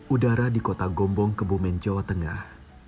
udara di kota gombong kebumen jawa tengah